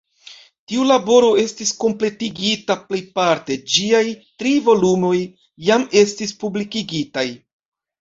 Tiu laboro estis kompletigita plejparte; ĝiaj tri volumoj jam estis publikigitaj.